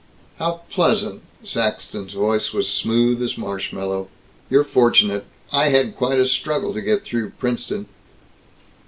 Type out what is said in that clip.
"How pleasant!" Saxton's voice was smooth as marshmallow. "You're fortunate. I had quite a struggle to get through Princeton."